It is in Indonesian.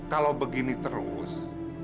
kalau begini terus